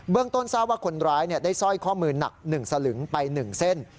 เบื้องต้นทราบว่าคนร้ายได้สร้อยข้อมือหนักหนึ่งสลึงไปหนึ่งเส้น